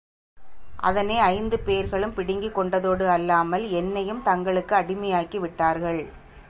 அதனை ஐந்து பேர்களும் பிடுங்கிக் கொண்டதோடு அல்லாமல், என்னையும் தங்களுக்கு அடிமையாக்கிவிட்டார்கள்.